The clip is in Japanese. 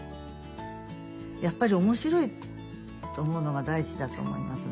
やっぱり面白いと思うのが大事だと思いますね。